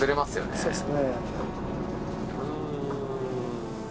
そうですね。